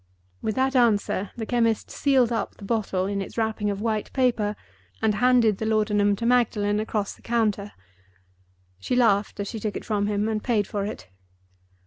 With that answer, the chemist sealed up the bottle in its wrapping of white paper and handed the laudanum to Magdalen across the counter. She laughed as she took it from him, and paid for it.